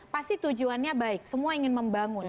pasti tujuannya baik semua ingin membangun